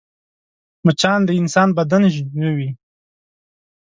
مچان د انسان بدن ژوي